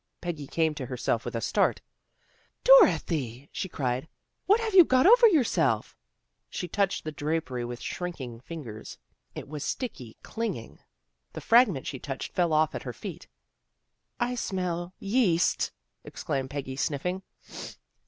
Peggy came to herself with a start. " Dorothy! " she cried. " What have you got over yourself ?" She touched the drapery with shrinking fingers. It was sticky, clinging. The fragment she touched fell off at her feet. " I smell yeast," exclaimed Peggy snif fing.